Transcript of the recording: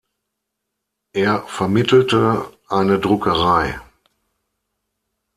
Er vermittelte eine Druckerei.